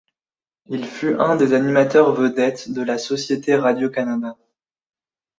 Il fut un des animateurs vedettes de la Société Radio-Canada.